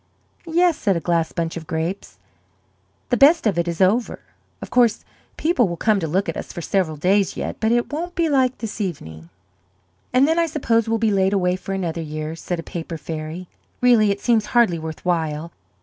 "Yes," said a glass bunch of grapes; "the best of it is over. Of course people will come to look at us for several days yet, but it won't be like this evening." "And then I suppose we'll be laid away for another year," said a paper fairy. "Really it seems hardly worth while.